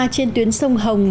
trên tuyến sông hồng